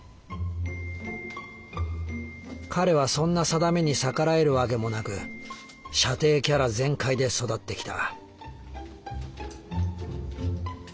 「彼はそんな宿命に逆らえるわけもなく舎弟キャラ全開で育ってきた」。